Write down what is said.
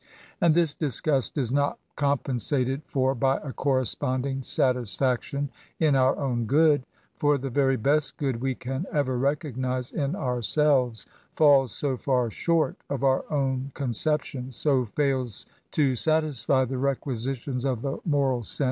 And this disgust is not compensated for by a corresponding satisfaction in our own good ; for the very best good we can ever recognise in ourselves falls so far short of our own conceptions, so fails to satisfy the requisitions of the moral :20 lESISAYS.